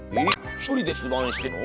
１人で留守番してたの？